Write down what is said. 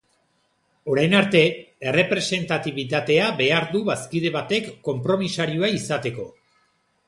Orain arte, errepresentatitibitatea behar du bazkide batek konpromisarioa izateko.